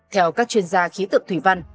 theo các chuyên gia khí tượng thủy văn